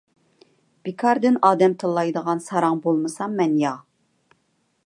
بىكاردىن ئادەم تىللايدىغان ساراڭ بولمىسام مەن-يا.